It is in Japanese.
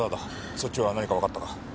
そっちは何かわかったか？